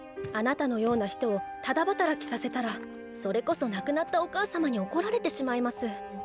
あなたのような人をただ働きさせたらそれこそ亡くなったお母様に怒られてしまいます。